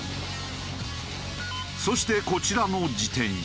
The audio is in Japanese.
そしてこちらの自転車。